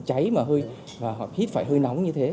cháy mà hơi hít phải hơi nóng như thế